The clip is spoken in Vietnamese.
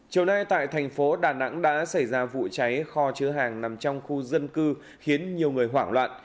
chiều nay tại thành phố đà nẵng đã xảy ra vụ cháy kho chứa hàng nằm trong khu dân cư khiến nhiều người hoảng loạn